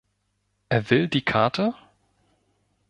Er will die Karte?